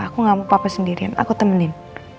aku gak mau papa sendirian aku temenin